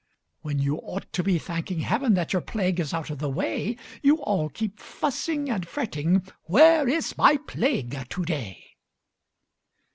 When you ought to be thanking Heaven That your plague is out of the way, You all keep fussing and fretting "Where is my Plague to day?"